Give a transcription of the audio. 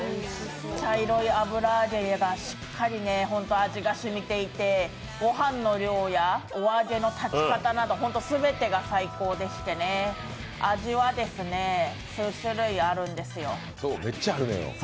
茶色い油揚げがしっかり味が染みていてご飯の量や、お揚げの炊き方など全てが最高でして味は数種類あるんですよ。